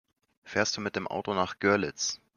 Fährst du mit dem Auto nach Görlitz?